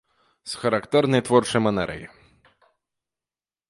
З характэрнай творчай манерай.